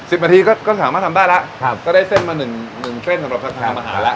นาทีก็ก็สามารถทำได้แล้วครับก็ได้เส้นมาหนึ่งหนึ่งเส้นสำหรับจะทำอาหารแล้ว